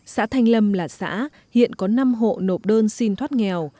xã thanh lâm là xã hiện có năm hộ nộp đơn xin thoát nghèo